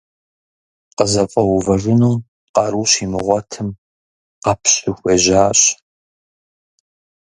КъызэфӀэувэжыну къару щимыгъуэтым, къэпщу хуежьащ.